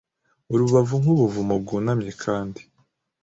Urubavu nkubuvumo bwunamye Kandi